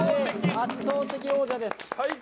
圧倒的王者です。